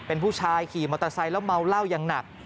เป็นผู้ชายขี่มอเตอร์ไซค์แล้วเมาเหล้าอย่างหนัก